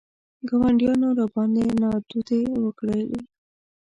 ګاونډیانو راباندې نادودې وکړې.